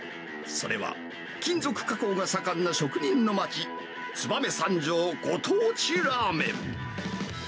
それは金属加工が盛んな職人の街、燕三条ご当地ラーメン。